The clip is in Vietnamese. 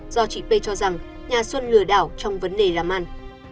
do chị p cho rằng nhà xuân lừa đảo trong vấn đề làm ăn